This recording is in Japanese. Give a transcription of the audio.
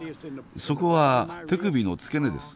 そこは手首の付け根です。